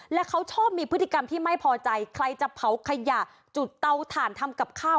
และเขาชอบมีพฤติกรรมที่ไม่พอใจใครจะเผาขยะจุดเตาถ่านทำกับข้าว